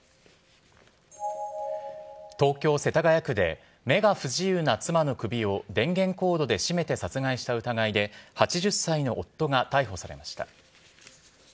東京・世田谷区で、目が不自由な妻の首を電源コードで絞めて殺害した疑いで、８０歳の夫が逮捕されました。